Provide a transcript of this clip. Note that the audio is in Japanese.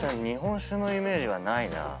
日本酒のイメージないな。